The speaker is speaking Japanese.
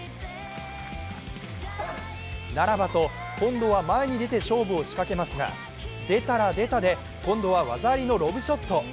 ならばと、今度は前に出て勝負を仕掛けますが出たら出たで今度は技ありのロブショット。